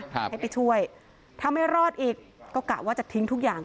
ให้ไปช่วยถ้าไม่รอดอีกก็กะว่าจะทิ้งทุกอย่าง